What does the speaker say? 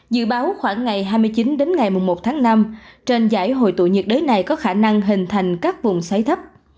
dự báo khoảng ngày hai mươi chín đến ngày một tháng năm trên giải hồi tụ nhiệt đới này có khả năng hình thành các vùng xoáy thấp